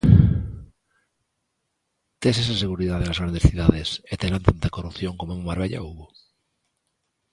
Tes esa seguridade nas grandes cidades E terán tanta corrupción como en Marbella houbo?